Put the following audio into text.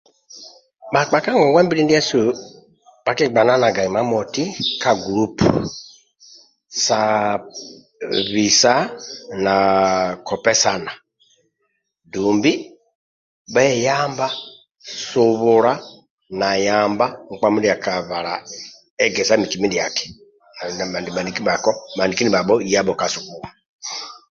Bhakpa ka ngongwa mbili ndiasu bhakigbananaga immoti ka gulupu sa bisa na kopesana dumbi bheyamba subula na yamba nkpa mindia akabala egesa miki mindiaki bhaniki ndibhabho yabho ka sukulu